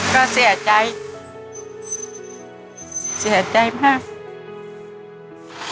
ก็เสียใจเสียใจมาก